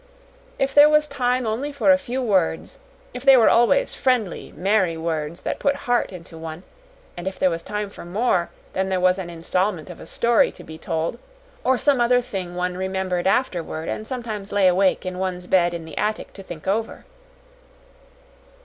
If there was time only for a few words, they were always friendly, merry words that put heart into one; and if there was time for more, then there was an installment of a story to be told, or some other thing one remembered afterward and sometimes lay awake in one's bed in the attic to think over.